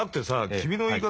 君の言い方